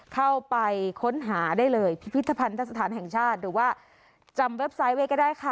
เข้าไปค้นหาได้เลยพิพิธภัณฑสถานแห่งชาติหรือว่าจำเว็บไซต์ไว้ก็ได้ค่ะ